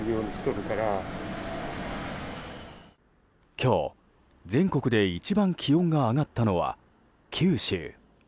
今日、全国で一番気温が上がったのは九州。